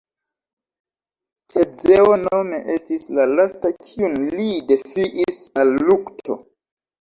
Tezeo nome estis la lasta kiun li defiis al lukto.